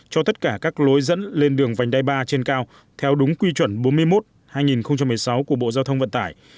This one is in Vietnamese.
cho tất cả các lối dẫn lên đường vành đai ba trên cao theo đúng quy chuẩn bốn mươi một hai nghìn một mươi sáu của bộ giao thông vận tải